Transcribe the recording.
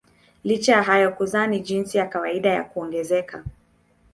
Licha ya hayo kuzaa ni jinsi ya kawaida ya kuongezeka.